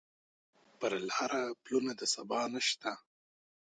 پر لاره پلونه د سبا نشته